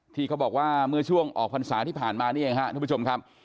ที่เขาบอกว่าเมื่อช่วงออกพรรษาที่ผ่านมานี่เองครับท่านผู้ชมครับ